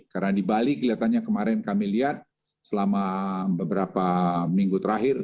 karena di bali kelihatannya kemarin kami lihat selama beberapa minggu terakhir